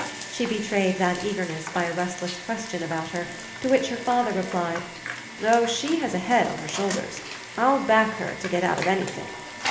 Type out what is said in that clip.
She betrayed that eagerness by a restless question about her, to which her father replied: "Oh she has a head on her shoulders. I'll back her to get out of anything!"